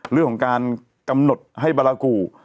เรื่องของการกำหนดให้บารากู